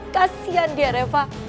kasian dia reva